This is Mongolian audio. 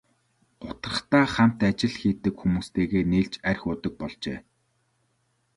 Гутрахдаа хамт ажил хийдэг хүмүүстэйгээ нийлж архи уудаг болжээ.